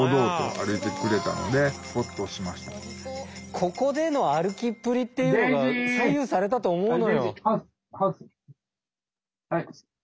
ここでの歩きっぷりっていうのが左右されたと思うのよ。